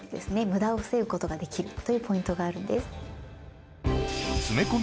無駄を防ぐことができるというポイントがあるんです